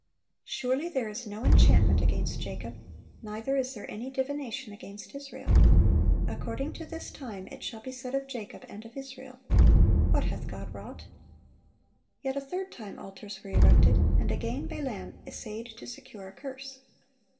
"Surely there is no enchantment against Jacob, neither is there any divination against Israel: according to this time it shall be said of Jacob and of Israel, What hath God wrought!"(928) Yet a third time altars were erected, and again Balaam essayed to secure a curse.